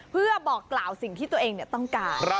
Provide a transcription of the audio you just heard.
เพื่อบอกกล่าวสิ่งที่ตัวเองต้องการ